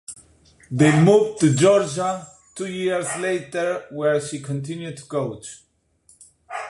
They moved to Georgia two years later where she continued to coach.